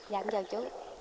dạ chào chú